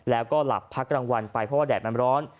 แล้วก็หลับพักกลางวันไปเพราะว่าแดดมันร้อน